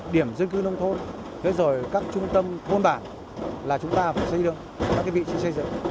điểm dân cư nông thôn thế rồi các trung tâm thôn bản là chúng ta phải xây dựng các vị trí xây dựng